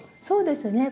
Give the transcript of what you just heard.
そうですね。